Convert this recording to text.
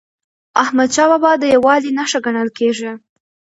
احمدشاه بابا د یووالي نښه ګڼل کېږي.